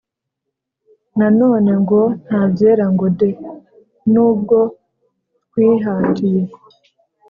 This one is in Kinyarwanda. na none ngo nta byera ngo de! n'ubwo twihatiye